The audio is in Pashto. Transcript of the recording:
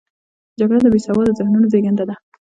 جګړه د بې سواده ذهنونو زیږنده ده